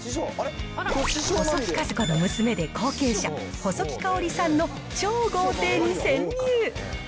細木数子の娘で後継者、細木かおりさんの超豪邸に潜入。